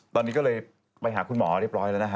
ตอนนี้ก็เลยไปหาคุณหมอเรียบร้อยแล้วนะฮะ